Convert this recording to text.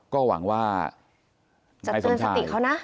ก็หวังว่าจะเตือนสติเขานะ